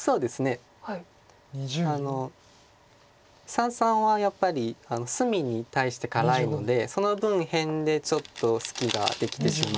三々はやっぱり隅に対して辛いのでその分辺でちょっと隙ができてしまう。